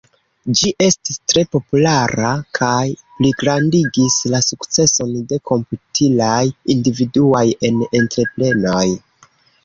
Ĝi estis tre populara kaj pligrandigis la sukceson de komputilaj individuaj en entreprenoj.